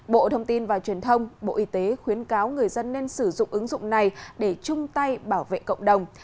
bộ thông tin và truyền thông bộ y tế khuyến cáo người dân nên sử dụng ứng dụng này để chung tay bảo vệ cộng đồng